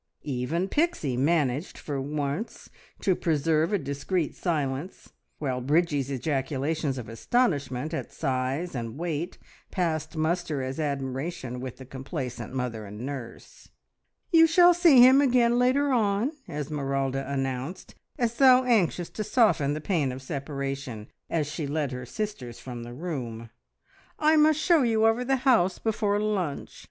Even Pixie managed for once to preserve a discreet silence, while Bridgie's ejaculations of astonishment at size and weight passed muster as admiration with the complacent mother and nurse. "You shall see him again later on," Esmeralda announced, as though anxious to soften the pain of separation, as she led her sisters from the room. "I must show you over the house before lunch.